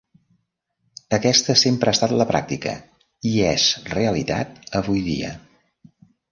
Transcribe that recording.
Aquesta sempre ha estat la pràctica i és realitat avui dia.